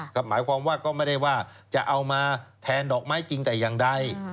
หมายความว่าก็ไม่ได้ว่าจะเอามาแทนดอกไม้จริงแต่อย่างใด